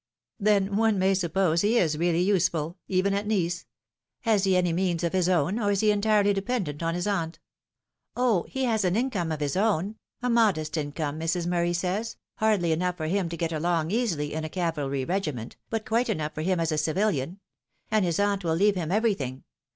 " Then one may suppose he is really useful even at Nice, Has he any means of his own, or is he entirely dependent on his aunt ?"" O, he has an income of his own a modest income, Mrs. Murray says, hardly eHough for him to get along easily in a cavalry regiment, but quite enough for him as a civilian; and his aunt will leave him everything.